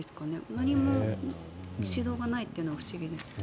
何も指導がないというのは不思議ですね。